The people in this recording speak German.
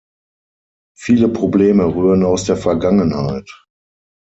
Viele Probleme rühren aus der Vergangenheit.